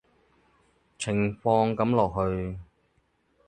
情況噉落去